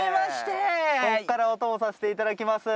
ここからお供させていただきます。